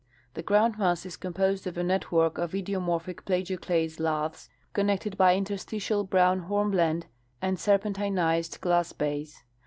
The groundmass is composed of a network of idiomorphic plagioclase laths, con nected by interstitial brown hornblende and serpentinized glass base.